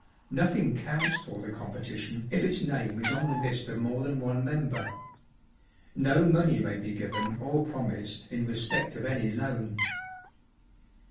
Nothing counts for the competition if its name is on the list of more than one member. No money may be given or promised in respect of any loan."